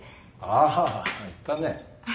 あ言ったね。